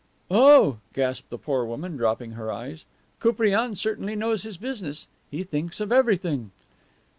"Oh," gasped the poor woman, dropping her eyes. "Koupriane certainly knows his business; he thinks of everything."